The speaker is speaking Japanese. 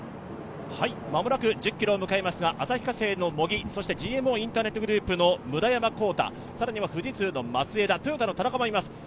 間もなく１０ｋｍを迎えますが、旭化成の茂木、そしてＧＭＯインターネットグループの村山紘太、更には富士通の松枝、トヨタの田中もいます。